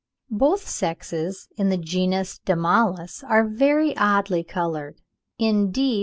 Both sexes in the genus Damalis are very oddly coloured; in D.